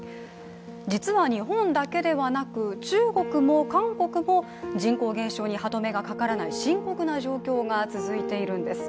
実は日本だけではなく中国も韓国も人口減少に歯どめがかからない深刻な状況が続いているんです。